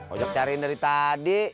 ojak cariin dari tadi